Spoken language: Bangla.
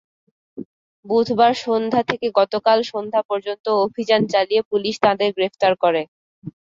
বুধবার সন্ধ্যা থেকে গতকাল সন্ধ্যা পর্যন্ত অভিযান চালিয়ে পুলিশ তাঁদের গ্রেপ্তার করে।